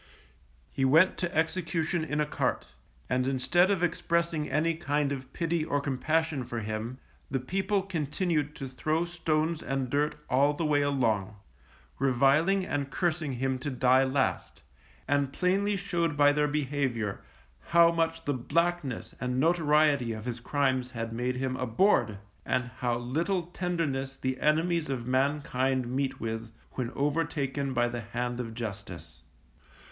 He went to execution in a cart, and instead of expressing any kind of pity or compassion for him, the people continued to throw stones and dirt all the way along, reviling and cursing him to die last, and plainly showed by their behaviour how much the blackness and notoriety of his crimes had made him abhorred, and how little tenderness the enemies of mankind meet with, when overtaken by the hand of Justice.